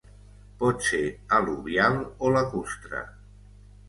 Pot ser al·luvial o lacustre.